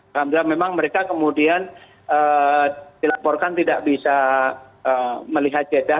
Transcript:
alhamdulillah memang mereka kemudian dilaporkan tidak bisa melihat jeda